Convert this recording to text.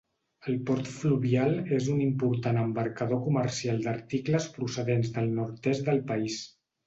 El port fluvial és un important embarcador comercial d'articles procedents del nord-est del país.